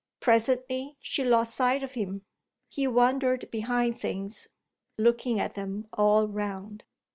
Presently she lost sight of him; he wandered behind things, looking at them all round.